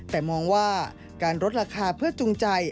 แต่มองว่าการลดราคาเพื่อจูงใจ